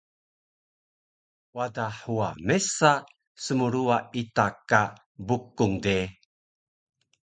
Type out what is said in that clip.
Wada huwa mesa smruwa ita ka Bukung de